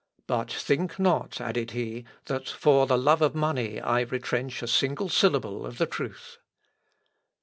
"But think not," added he, "that for the love of money I retrench a single syllable of the truth."